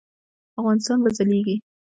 افغانستان به ځلیږي؟